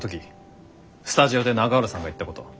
スタジオで永浦さんが言ったこと。